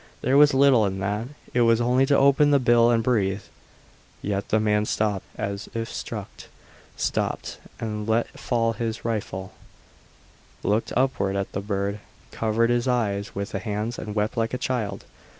There was little in that it was only to open the bill and breathe; yet the man stopped as if struck stopped and let fall his rifle, looked upward at the bird, covered his eyes with his hands and wept like a child!